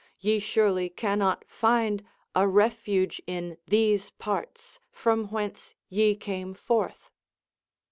Ye surely can not find a refuge in these parts, from whence ye came forth.